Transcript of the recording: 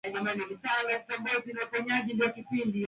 Ushawishiwa nchi tajiri wanaoitwa kikundi cha Roma na Paris